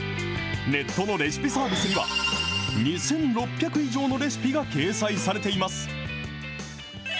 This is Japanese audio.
ネットのレシピサービスには、２６００以上のレシピが掲載されています。